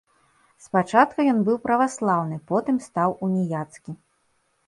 Спачатку ён быў праваслаўны, потым стаў уніяцкі.